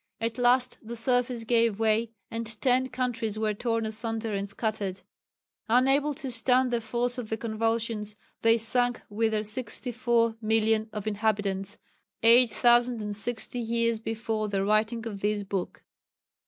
At last the surface gave way and ten countries were torn asunder and scattered. Unable to stand the force of the convulsions, they sank with their 64,000,000 of inhabitants 8060 years before the writing of this book."